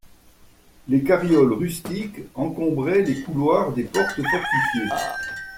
Les carrioles rustiques encombraient les couloirs des portes fortifiées.